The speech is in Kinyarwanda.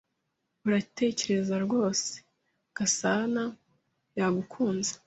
Uratekereza rwose ko Gasana yagukunze?